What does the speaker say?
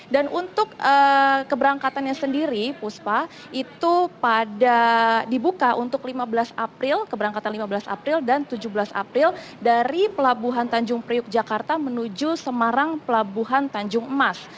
dan untuk keberangkatannya sendiri puspa itu dibuka untuk lima belas april keberangkatan lima belas april dan tujuh belas april dari pelabuhan tanjung priok jakarta menuju semarang pelabuhan tanjung emas